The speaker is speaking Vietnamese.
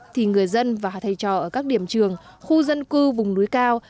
thì người dân và thầy trò ở các điểm trường khu dân cư vùng núi cao